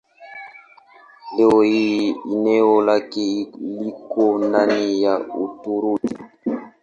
Leo hii eneo lake liko ndani ya Uturuki.